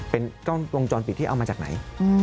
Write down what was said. เป็นกล้องวงจรปิดที่เอามาจากไหน